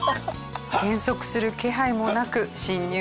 減速する気配もなく進入してきました。